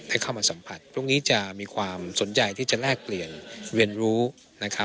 ให้เข้ามาสัมผัสพรุ่งนี้จะมีความสนใจที่จะแลกเปลี่ยนเรียนรู้นะครับ